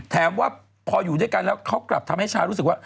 ว่าพออยู่ด้วยกันแล้วเขากลับทำให้ชารู้สึกว่า